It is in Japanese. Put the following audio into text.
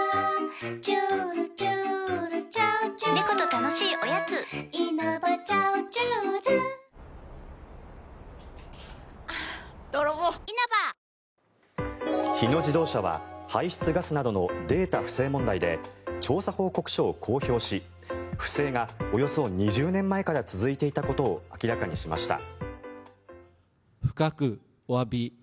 詳しいことは僕、まだ把握してないんですが日野自動車は排出ガスなどのデータ不正問題で調査報告書を公表し不正がおよそ２０年前から続いていたことを明らかにしました。